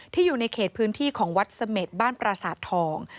อยู่ในเขตพื้นที่ของวัดเสม็ดบ้านปราสาททอง